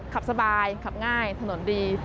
ขับสบายขับง่ายถนนดี